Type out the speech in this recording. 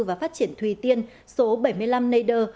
và phát triển thùy tiên số bảy mươi năm neder